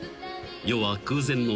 ［世は空前の］